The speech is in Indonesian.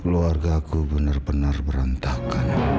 keluarga aku benar benar berantakan